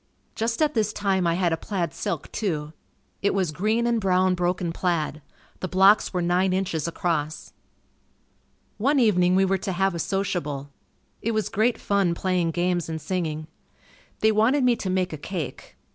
Just at this time, I had a plaid silk too. It was green and brown broken plaid. The blocks were nine inches across. One evening we were to have a sociable. It was great fun playing games and singing. They wanted me to make a cake.